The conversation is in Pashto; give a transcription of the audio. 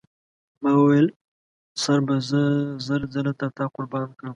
ما وویل سر به زه زر ځله تر تا قربان کړم.